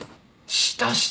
したした！